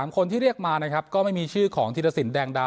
คนที่เรียกมานะครับก็ไม่มีชื่อของธิรสินแดงดา